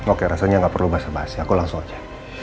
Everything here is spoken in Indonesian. oke rasanya gak perlu bahasa bahasi aku langsung aja